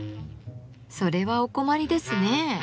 それはお困りですね。